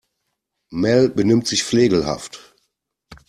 Mel benimmt sich flegelhaft.